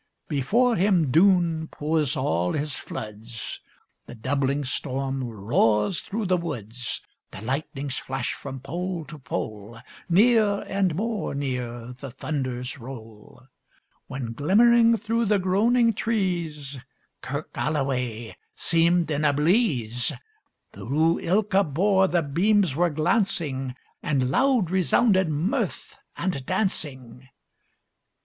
Before him Doon pours all his floods; The doubling storm roars through the woods; The lightnings flash from pole to pole; Near and more near the thunders roll; When, glimmering through the groaning trees, Kirk Alloway seemed in a bleeze; Through ilka bore the beams were glancing; And loud resounded mirth and dancing.